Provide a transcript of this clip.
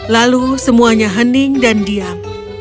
lalu semuanya hening dan diam